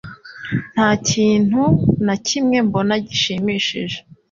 Nta kintu na kimwe mbona gishimishije